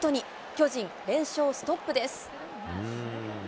巨人、連勝ストップです。